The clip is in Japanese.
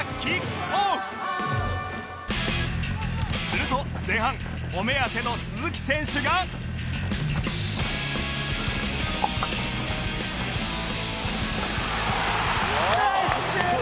すると前半お目当ての鈴木選手がナイスシュート！